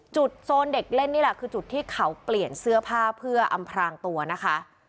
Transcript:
โซนเด็กเล่นนี่แหละคือจุดที่เขาเปลี่ยนเสื้อผ้าเพื่ออำพรางตัวนะคะ